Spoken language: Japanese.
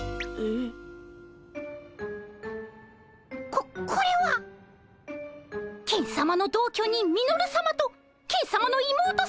ここれはケンさまの同居人ミノルさまとケンさまの妹さまのさくらさま！